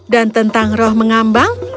dan tentang roh mengambang